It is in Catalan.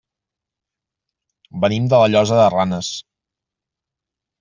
Venim de la Llosa de Ranes.